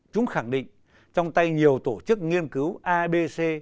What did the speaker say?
chúng khẳng định trong tay nhiều tổ chức nghiên cứu abc